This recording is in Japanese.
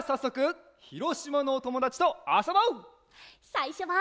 さいしょは。